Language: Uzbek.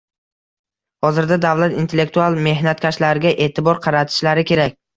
Hozirda davlat intellektual mehnatkashlarga e'tibor qaratishlari kerak